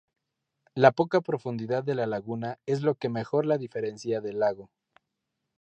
La poca profundidad de la laguna es lo que mejor la diferencia del lago.